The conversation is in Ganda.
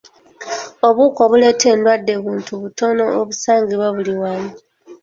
Obuwuka obuleeta endwadde buntu butono obusangibwa buli wamu.